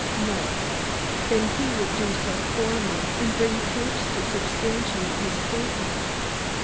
No. Then he would do so for me and bring proofs to substantiate his statements.